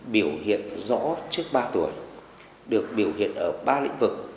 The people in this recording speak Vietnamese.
biểu hiện rõ trước ba tuổi được biểu hiện ở ba lĩnh vực